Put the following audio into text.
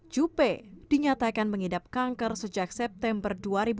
jupe dinyatakan mengidap kanker sejak september dua ribu dua puluh